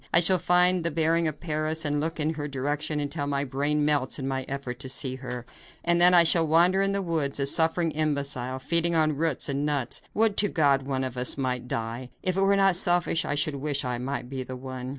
I shall find the bearing of Paris, and look in her direction until my brain melts in my effort to see her, and then I shall wander in the woods, a suffering imbecile, feeding on roots and nuts. Would to God one of us might die. If it were not selfish, I should wish I might be the one."